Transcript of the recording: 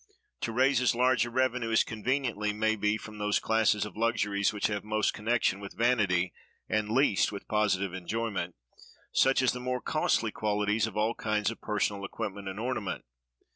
To raise as large a revenue as conveniently may be, from those classes of luxuries which have most connection with vanity, and least with positive enjoyment; such as the more costly qualities of all kinds of personal equipment and ornament.